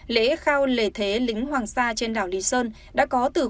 lễ khao lề thế lính hoàng sa trên đảo lý sơn đã có tử khoa